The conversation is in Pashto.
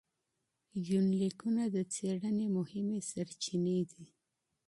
يونليکونه د څېړنې مهمې سرچينې دي.